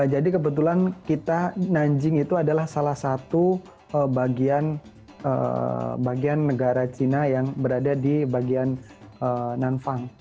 jadi kebetulan kita nanjing itu adalah salah satu bagian negara cina yang berada di bagian nanfang